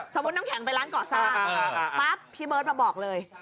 น้ำแข็งไปร้านก่อสร้างปั๊บพี่เบิร์ตมาบอกเลย